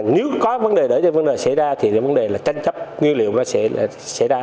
nếu có vấn đề đỡ cho vấn đề xảy ra thì cái vấn đề là tranh chấp nguyên liệu nó sẽ xảy ra